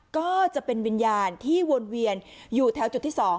ก็จะเป็นวิญญาณที่วนเวียนอยู่แถวจุดที่๒